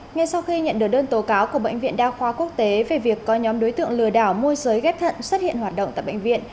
ngay sau khi nhận được đơn tố cáo của bệnh viện đa khoa quốc tế về việc có nhóm đối tượng lừa đảo môi giới ghép thận xuất hiện hoạt động tại bệnh viện